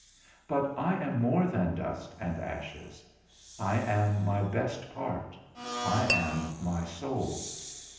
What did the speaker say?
But I am more than dust and ashes: I am my best part, I am my soul.